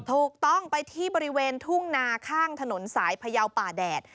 ถูกต้องไปที่บริเวณทุ่งนาข้างถนนสายพยาวป่าแดด